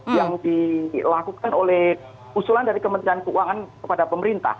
yang dilakukan oleh usulan dari kementerian keuangan kepada pemerintah